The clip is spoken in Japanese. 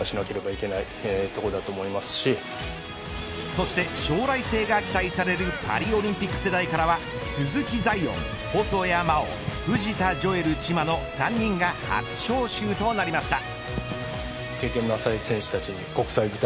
そして将来性が期待されるパリオリンピック世代からは鈴木彩艶、細田真大藤田譲瑠チマの３人が初招集となりました。